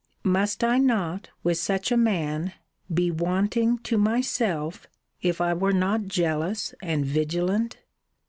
Must I not, with such a man, be wanting to myself, if I were not jealous and vigilant?